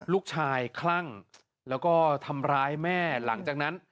คลั่งแล้วก็ทำร้ายแม่หลังจากนั้น